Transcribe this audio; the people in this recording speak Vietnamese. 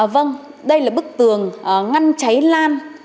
vâng đây là bức tường ngăn cháy lan